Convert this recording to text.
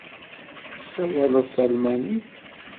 Tessawaleḍ talmanit?